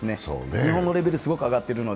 日本のレベルはすごく上がっているので。